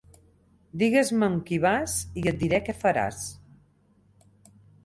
Digues-me amb qui vas i et diré què faràs.